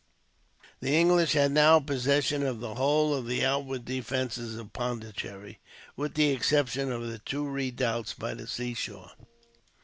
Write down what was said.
The English had now possession of the whole of the outward defences of Pondicherry, with the exception of the two redoubts by the seashore.